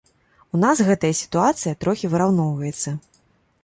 У нас гэта сітуацыя трохі выраўноўваецца.